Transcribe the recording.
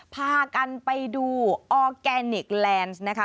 พากันไปดูออร์แกนิคแลนด์นะคะ